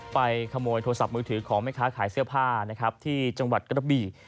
ไปขโมยโทรศัพท์มือถือของแม่ค้าขายเสื้อผ้านะครับที่จังหวัดกระบี่